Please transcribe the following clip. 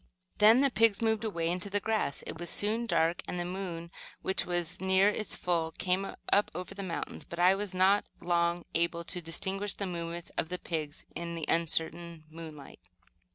Then the pigs moved away into the grass. It was soon dark, and the moon, which was near its full, came up over the mountains; but I was not long able to distinguish the movements of the pigs in the uncertain moonlight.